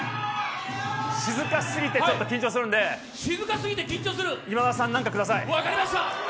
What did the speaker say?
静かすぎてちょっと緊張するんで今田さん、何かください。